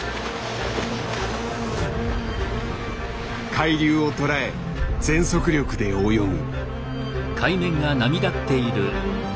海流をとらえ全速力で泳ぐ。